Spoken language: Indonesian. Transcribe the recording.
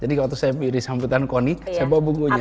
jadi waktu saya di sambutan koni saya bawa bukunya